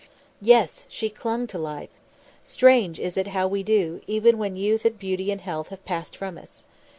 Yes! she clung to life. Strange is it how we do, even when youth and beauty and health have passed from us.